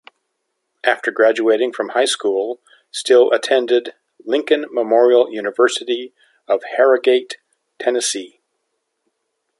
After graduating from high school, Still attended Lincoln Memorial University of Harrogate, Tennessee.